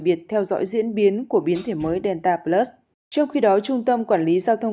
biệt theo dõi diễn biến của biến thể mới delta plus trong khi đó trung tâm quản lý giao thông